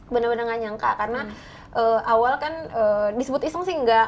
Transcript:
benar benar nggak nyangka karena awal kan disebut iseng sih enggak